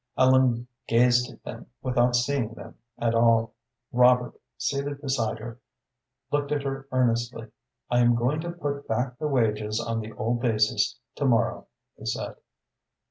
Ellen gazed at them without seeing them at all. Robert, seated beside her, looked at her earnestly. "I am going to put back the wages on the old basis to morrow," he said.